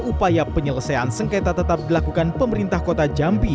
upaya penyelesaian sengketa tetap dilakukan pemerintah kota jambi